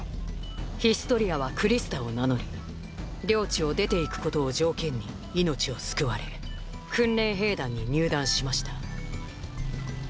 ヒストリアはクリスタを名乗り領地を出ていくことを条件に命を救われ訓練兵団に入団しました